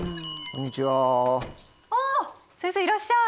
こんにちは習君。